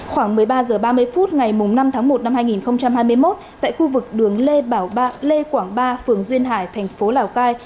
khoảng một mươi ba h ba mươi phút ngày năm tháng một năm hai nghìn hai mươi một tại khu vực đường lê quảng ba phường duyên hải thành phố lào cai